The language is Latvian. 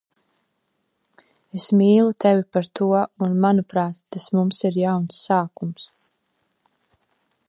Es mīlu tevi par to un, manuprāt, tas mums ir jauns sākums.